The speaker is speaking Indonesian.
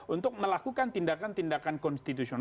untuk melakukan tindakan tindakan konstitusional